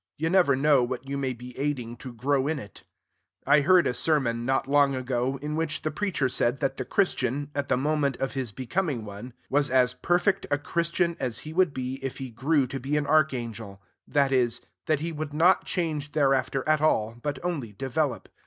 You never know what you may be aiding to grow in it. I heard a sermon, not long ago, in which the preacher said that the Christian, at the moment of his becoming one, was as perfect a Christian as he would be if he grew to be an archangel; that is, that he would not change thereafter at all, but only develop.